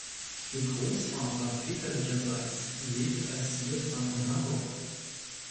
Ihr Großvater väterlicherseits lebt als Witwer in Hamburg.